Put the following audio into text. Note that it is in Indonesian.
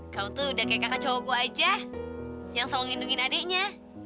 kau tuh udah kayak kakak cowok gue aja yang selalu ngindungin adiknya